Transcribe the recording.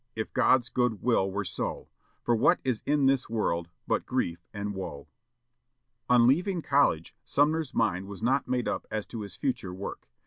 if God's good will were so; For what is in this world but grief and woe?" On leaving college, Sumner's mind was not made up as to his future work.